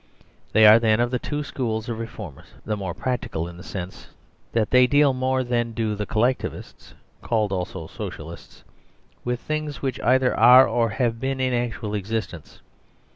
They are then, of the two schools of reformers, the more practical in the sense that they deal more than do the Collectiv ists (called also Socialists) with things which either are or have been in actual existence.